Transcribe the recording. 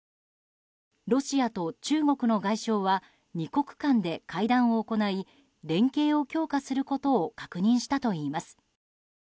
ロシアと中国の外相は２国間で会談を行い連携を強化することを確認したといいます。